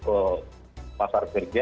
ke pasar kerja